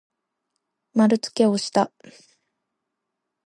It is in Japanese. まるつけをした。